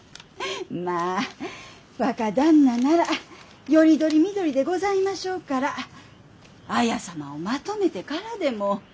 まあ若旦那ならより取り見取りでございましょうから綾様をまとめてからでも。